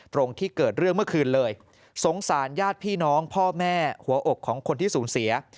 ตรงที่เกิดเรื่องเมื่อคืนเลยสงสารญาติพี่น้องพ่อแม่หัวอกของคนที่สูญเสีย